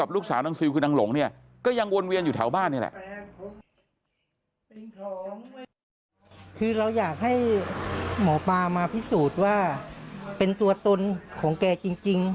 คือเราอยากให้หมอปลามาพิสูจน์ว่าเป็นตัวตนของแกจริง